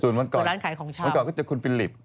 ส่วนวันก่อนวันก่อนก็คือคุณฟิลิป